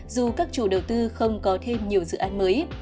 dù các chủ đầu tư không có thêm nhiều dự án mới